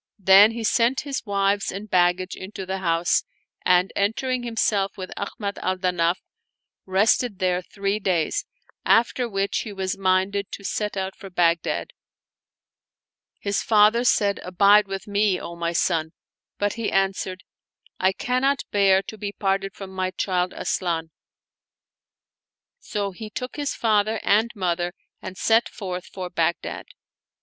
Then he sent his wives and baggage into the house, and entering himself with Ahmad al Danaf, rested there three days, after which he was minded to set out for Bagh dad. His father said, " Abide with me, O my son !" but he answered, " I cannot bear to be parted from my child Asian." So he took his father and mother and set forth for Baghdad.